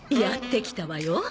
やって来たわよ